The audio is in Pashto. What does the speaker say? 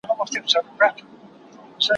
زه به سبا د درسونو يادونه وکړم